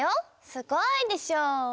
すごいでしょ。